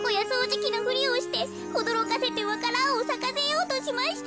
じきのふりをしておどろかせてわか蘭をさかせようとしました。